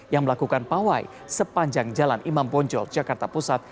yang melakukan pawai sepanjang jalan imam bonjol jakarta pusat